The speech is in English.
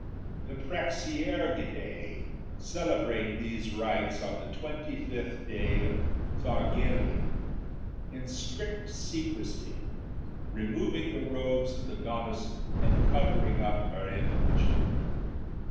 The Praxier gidae celebrate these rites on the twenty fifth day of Thargelion, in strict secrecy, removing the robes of the goddess and covering up her image.